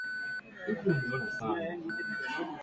Yaloweke kwa takriban masaa nane hadi kumi na mbili